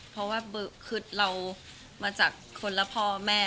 เพราะว่าคือเรามาจากคนละพ่อแม่